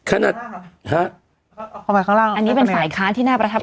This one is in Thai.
อันนี้เป็นฝ่ายค้าที่น่าประทับใจ